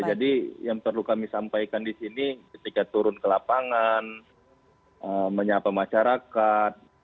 jadi yang perlu kami sampaikan disini ketika turun ke lapangan menyapa masyarakat